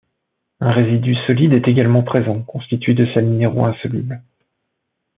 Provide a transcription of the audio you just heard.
Un résidu solide est également présent constitué de sels minéraux insolubles.